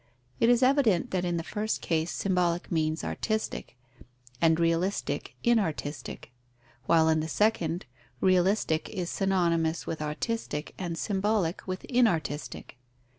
It is evident that in the first case symbolic means artistic, and realistic inartistic, while in the second, realistic is synonymous with artistic and symbolic with inartistic.